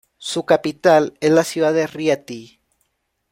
Su capital es la ciudad de Rieti.